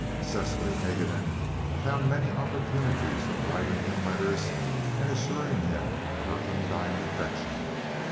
Cecily Haguenin found many opportunities of writing him letters and assuring him of her undying affection.